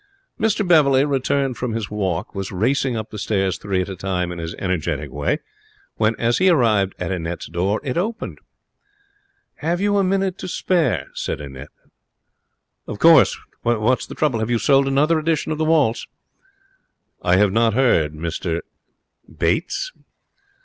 Mr Beverley, returned from his walk, was racing up the stairs three at a time in his energetic way, when, as he arrived at Annette's door, it opened. 'Have you a minute to spare?' said Annette. 'Of course. What's the trouble? Have they sold another edition of the waltz?' 'I have not heard, Mr Bates.'